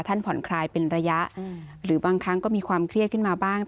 ผ่อนคลายเป็นระยะหรือบางครั้งก็มีความเครียดขึ้นมาบ้าง